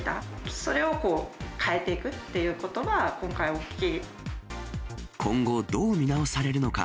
それを変えていくっていうことは、今後、どう見直されるのか。